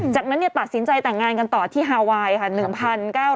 จากนั้นตัดสินใจแต่งงานกันต่อที่ฮาไวน์ค่ะ